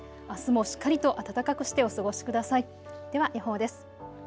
あすもしっかりと暖かくしてお過ごしください。